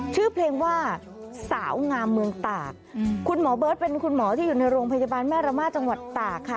ชื่อเพลงว่าสาวงามเมืองตากคุณหมอเบิร์ตเป็นคุณหมอที่อยู่ในโรงพยาบาลแม่ระมาทจังหวัดตากค่ะ